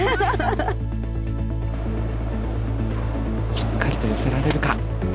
しっかりと寄せられるか。